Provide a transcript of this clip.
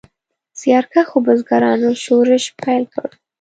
زیارکښو بزګرانو شورش پیل کړ.